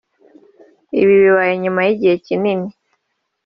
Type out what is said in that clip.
Ibi bibaye nyuma y’igihe kinini